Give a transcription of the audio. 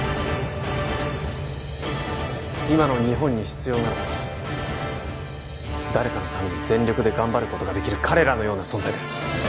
今の日本に必要なのは誰かのために全力で頑張ることができる彼らのような存在です